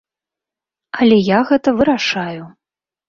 Але я гэта вырашаю.